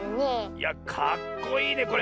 いやかっこいいねこれ。